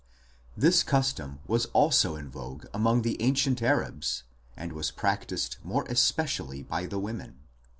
This custom was also in vogue among the ancient Arabs, and was practised more especially by the women.